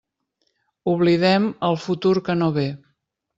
Oblidem el futur que no ve.